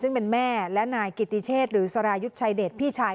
ซึ่งเป็นแม่และนายกิติเชษหรือสรายุทธ์ชายเดชพี่ชาย